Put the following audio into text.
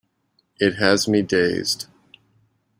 It has me dazed.